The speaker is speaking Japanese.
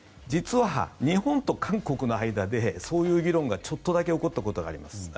実は日本と韓国の間でそういう議論がちょっとだけ起こったことがあります。